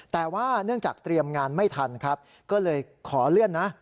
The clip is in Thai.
แต่ว่าเนื่องจากเตรียมงานไม่ทันครับก็เลยขอเลื่อนนะ